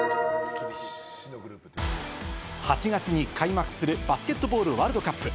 ８月に開幕する、バスケットボールワールドカップ。